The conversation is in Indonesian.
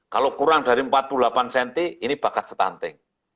kalau kurang dari empat puluh delapan cm ini bakat stunting